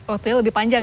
oh itu lebih panjang ya